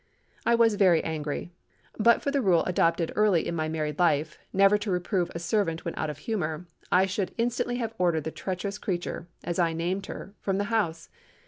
I was very angry. But for the rule adopted early in my married life, never to reprove a servant when out of humor, I should instantly have ordered the treacherous creature—as I named her—from the house.